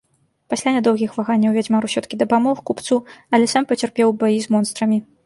Пасля нядоўгіх ваганняў вядзьмар усё-ткі дапамог купцу, але сам пацярпеў у баі з монстрамі.